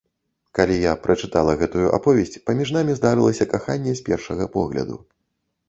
Калі я прачытала гэтую аповесць, паміж намі здарылася каханне з першага погляду.